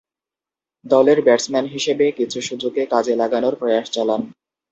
দলের ব্যাটসম্যান হিসেবে কিছু সুযোগকে কাজে লাগানোর প্রয়াস চালান।